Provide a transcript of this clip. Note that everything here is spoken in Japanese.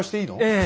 ええ。